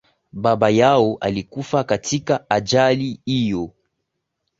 baba yao alikufa katika ajali hiyo